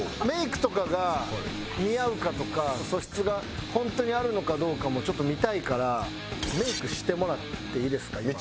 メイクとかが似合うかとか素質が本当にあるのかどうかもちょっと見たいからメイクしてもらっていいですか？